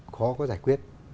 khó có giải quyết